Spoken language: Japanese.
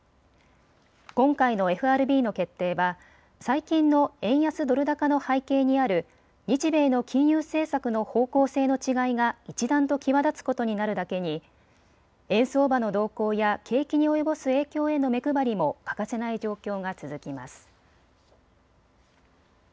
今回のＦＲＢの決定は最近の円安ドル高の背景にある日米の金融政策の方向性の違いが一段と際立つことになるだけに円相場の動向や景気に及ぼす影響への目配りも欠かせない状況が続きます。